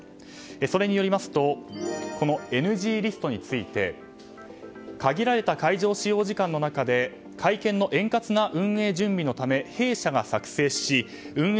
それによりますとＮＧリストについて限られた会場使用時間の中で会見の円滑な運営準備のために弊社が作成し運営